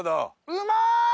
うまい！